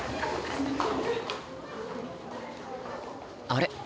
あれ？